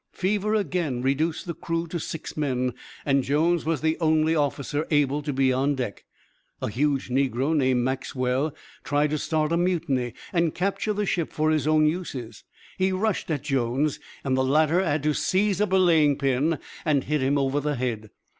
Fever again reduced the crew to six men, and Jones was the only officer able to be on deck. A huge negro named Maxwell tried to start a mutiny and capture the ship for his own uses. He rushed at Jones, and the latter had to seize a belaying pin and hit him over the head.